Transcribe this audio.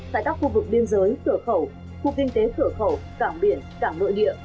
tại các khu vực biên giới cửa khẩu khu kinh tế cửa khẩu cảng biển cảng nội địa